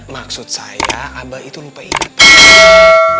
maksud saya abah itu lupa ingat